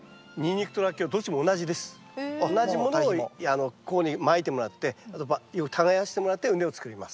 同じものをここにまいてもらってよく耕してもらって畝を作ります。